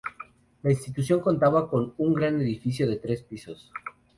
La Institución contaba con un gran edificio de tres pisos.